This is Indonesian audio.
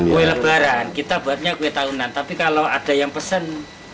kue lebaran kita buatnya kue tahunan tapi kalau ada yang pesen